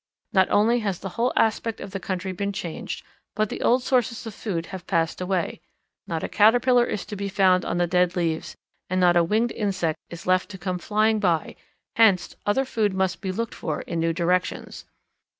Not only has the whole aspect of the country been changed, but the old sources of food have passed away. Not a caterpillar is to be found on the dead leaves, and not a winged insect is left to come flying by; hence other food must be looked for in new directions.